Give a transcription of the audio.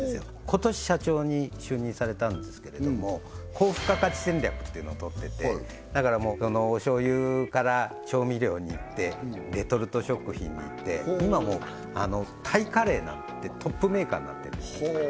今年社長に就任されたんですけれども高付加価値戦略っていうのをとっててお醤油から調味料にいってレトルト食品にいって今もうタイカレーなんてトップメーカーになってんですね